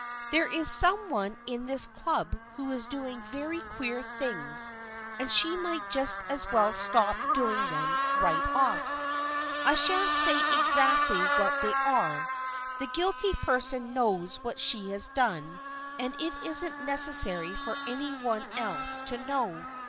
There is some one in this Club who is doing very queer things, and she might just as well stop doing them right off. I shan't say exactly what they are. The guilty person knows what she has done and it isn't necessary for any one else to know.